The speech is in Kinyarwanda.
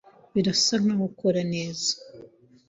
Birasa nkaho ukora neza.